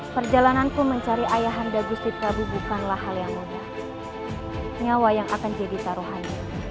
perjalananku mencari ayah anda justi tabu bukanlah hal yang mudah nyawa yang akan jadi taruhan